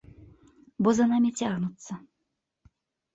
Бо за намі цягнуцца.